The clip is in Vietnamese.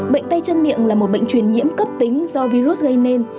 bệnh tay chân miệng là một bệnh truyền nhiễm cấp tính do virus gây nên